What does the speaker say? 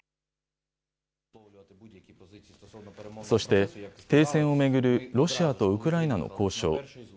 そして、停戦を巡るロシアとウクライナの交渉。